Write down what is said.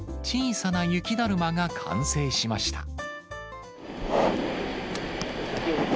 小さな雪だるまが完成しました。